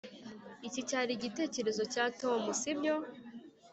iki cyari igitekerezo cya tom, sibyo?